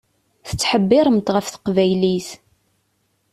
Tettḥebbiṛemt ɣef teqbaylit.